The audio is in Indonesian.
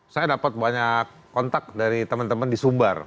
saya dapat banyak kontak dari teman teman di sumbar